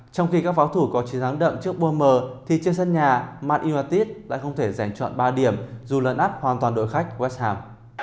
trong khi các pháo thủ có chiến thắng đậm trước bournemouth thì trên sân nhà man utd lại không thể giành chọn ba điểm dù lẫn áp hoàn toàn đội khách west ham